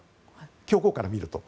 教皇から見ると。